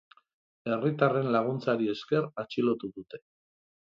Herritarren laguntzari esker atxilotu dute.